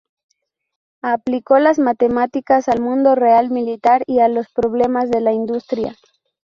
Aplicó las matemáticas al mundo real militar y a los problemas de la industria.